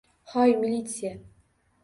Hoy militsiya!